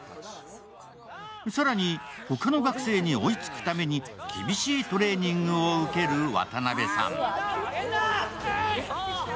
更に他の学生に追いつくために厳しいトレーニングを受ける渡辺さん。